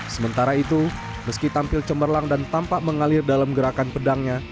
sementara itu meski tampil cemerlang dan tampak mengalir dalam gerakan pedangnya